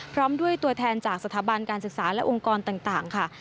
พร้อมด้วยตัวแทนจากสถาบันการศึกษาและองค์กรต่างค่ะ